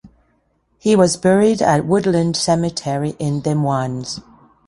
He was buried at Woodland Cemetery in Des Moines.